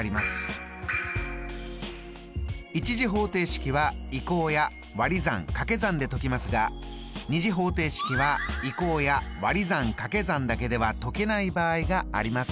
１次方程式は移項やわり算かけ算で解きますが２次方程式は移項やわり算かけ算だけでは解けない場合があります。